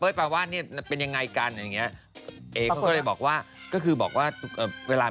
ที่มีหนิงตามกันด้วยมั้ย